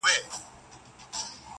o کله کله یې سکوت هم مسؤلیت دی ,